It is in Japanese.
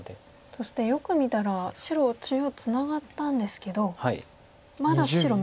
そしてよく見たら白中央ツナがったんですけどまだ白眼あるわけじゃ。